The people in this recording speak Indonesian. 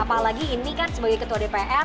apalagi ini kan sebagai ketua dpr